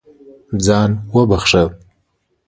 ځان وبښه.